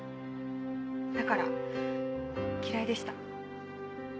だから嫌いでした。